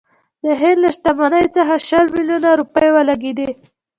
د هند له شتمنۍ څخه شل میلیونه روپۍ ولګېدې.